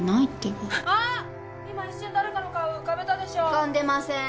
浮かんでません。